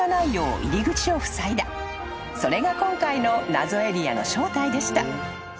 ［それが今回の謎エリアの正体でした］